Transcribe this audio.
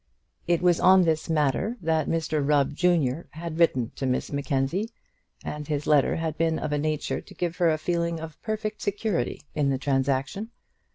It was on this matter that Mr Rubb, junior, had written to Miss Mackenzie, and his letter had been of a nature to give her a feeling of perfect security in the transaction.